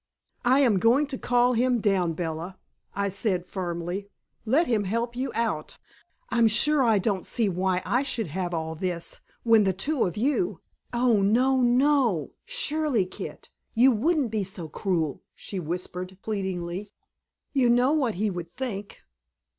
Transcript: "I am going to call him down, Bella," I said firmly. "Let him help you out. I'm sure I don't see why I should have all this when the two of you " "Oh, no, no! Surely, Kit, you wouldn't be so cruel!" she whispered pleadingly. "You know what he would think.